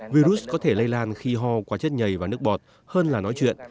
virus có thể lây lan khi ho qua chất nhầy và nước bọt hơn là nói chuyện